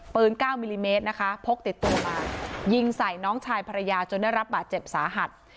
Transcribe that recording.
๙มิลลิเมตรนะคะพกติดตัวมายิงใส่น้องชายภรรยาจนได้รับบาดเจ็บสาหัส